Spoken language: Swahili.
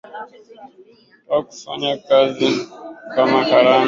Kutoka kufanya kazi kama Karani na sasa anajiandaa kuapishwa kuwa Rais wa kwanza Mwanamke